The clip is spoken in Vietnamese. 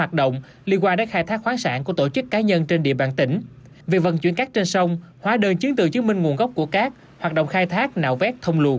trong chiến từ chứng minh nguồn gốc của cát hoạt động khai thác nạo vét thông luồn